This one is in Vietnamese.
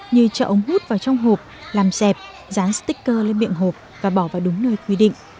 như cho ống hút vào trong hộp làm dẹp dán techer lên miệng hộp và bỏ vào đúng nơi quy định